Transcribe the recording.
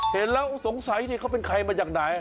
เห็นแล้วสงสัยนี่เขาเป็นใครมาจากไหน